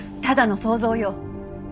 ただの想像よ。